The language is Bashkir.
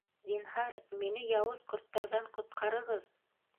— Зинһар, мине яуыз ҡорттарҙан ҡотҡарығыҙ!..